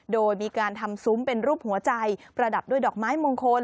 โดยมีการทำซุ้มเป็นรูปหัวใจประดับด้วยดอกไม้มงคล